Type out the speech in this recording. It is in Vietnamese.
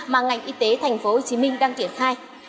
mà ngành y tế tp hcm đang triển khai